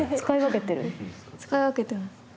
使い分けてます。